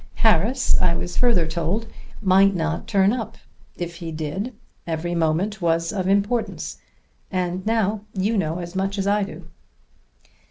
Harris, I was further told, might not turn up. If he did, 'every moment was of importance.' And now you know as much as I do."